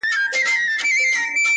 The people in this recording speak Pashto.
o يوڅه انا زړه وه ، يو څه توره تېره وه٫